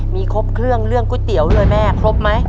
มีครบเครื่องเรื่องก๋วยเตี๋ยวเลยแม่ครบไหม